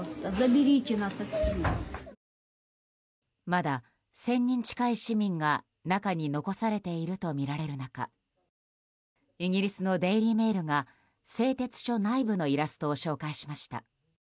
まだ１０００人近い市民が中に残されているとみられる中イギリスのデイリー・メールが製鉄所内部のイラストを紹介しました。